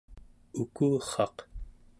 ukurraq